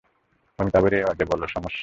অমিতাভের আওয়াজে বলো সমস্যা।